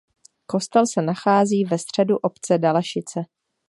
Kostel se nachází ve středu obce Dalešice.